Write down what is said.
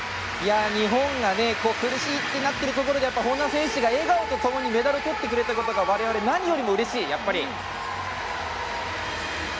日本がね苦しいってなってるところで本多選手が笑顔と共にメダルをとってくれたことが我々、何よりもうれしい。